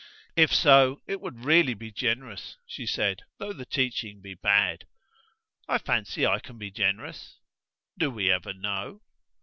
"If so, it would really be generous," she said, "though the teaching h bad." "I fancy I can be generous." "Do we ever know?"